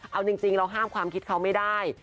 เอาจริงเราห้ามความคิดเขาไม่ได้